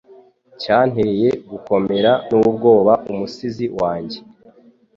cyanteye gukomera n'ubwoba umusizi wanjye